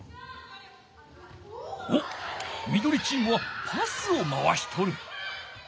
おっみどりチームはパスを回しとる。